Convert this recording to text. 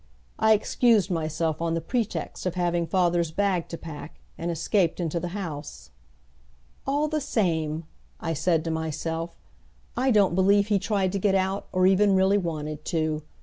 I excused myself on the pretext of having father's bag to pack, and escaped into the house. "All the same," I said to myself, "I don't believe he tried to get out, or even really wanted to.